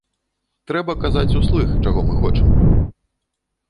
Трэба казаць услых, чаго мы хочам.